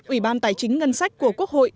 ủy ban tài chính ngân sách của quốc hội